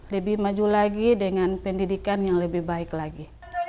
lebih maju lagi dengan pendidikan yang lebih baik lagi